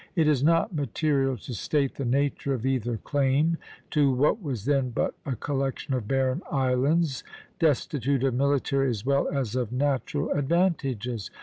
It is not material to state the nature of either claim to what was then but a collection of barren islands, destitute of military as well as of natural advantages.